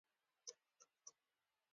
ما تاسو د خپل زوی د خبرو لپاره نه یاست بللي